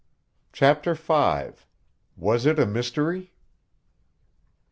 CHAPTER V Was It a Mystery?